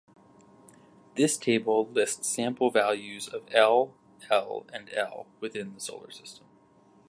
This table lists sample values of L, L, and L within the solar system.